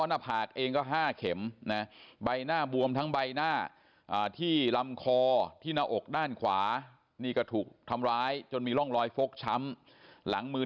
หรือหรือหรือหรือหรือหรือหรือหรือหรือ